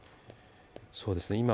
そうですね